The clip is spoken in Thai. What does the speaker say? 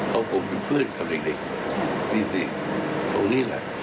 เพราะผมเป็นเพื่อนกับเด็กนี่สิตรงนี้แหละ